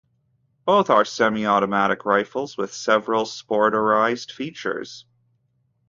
Both are semi-automatic rifles with several "sporterized" features.